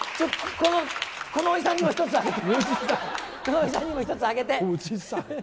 このおじさんにも１つあげて。